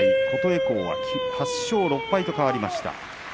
琴恵光は８勝６敗と変わりました。